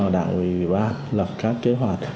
đảng ủy bác lập các kế hoạch